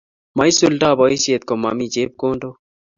Maisuldo boishet komomii chepkondok